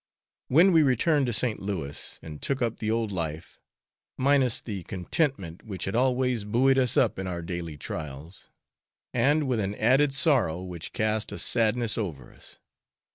We then returned to St. Louis, and took up the old life, minus the contentment which had always buoyed us up in our daily trials, and with an added sorrow which cast a sadness over us.